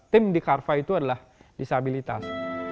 tim di carva itu adalah disabilitas